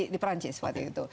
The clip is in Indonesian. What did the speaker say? di perancis waktu itu